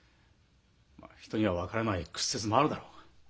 人には分からない屈折もあるだろう。